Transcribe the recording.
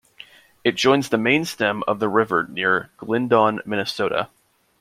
It joins the main stem of the river near Glyndon, Minnesota.